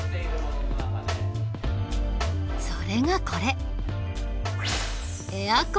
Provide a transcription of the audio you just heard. それがこれ。